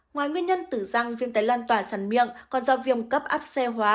ngoài nguyên nhân tử răng viêm tấy lan tỏa sàn miệng còn do viêm cấp áp xe hóa